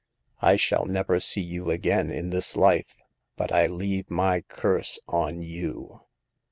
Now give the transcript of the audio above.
I shall never see you again in this life ; but I leave my curse on you